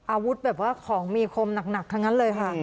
อาวุธแบบว่าของมีคมหนักทั้งนั้นเลยค่ะ